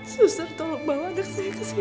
suster tolong baladek saya ke sini